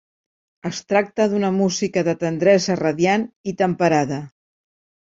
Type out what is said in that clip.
Es tracta d'una música de tendresa radiant i temperada.